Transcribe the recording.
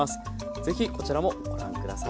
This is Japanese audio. ぜひこちらもご覧下さい。